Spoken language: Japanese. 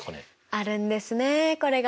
あるんですねこれが。